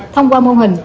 thông qua mô hình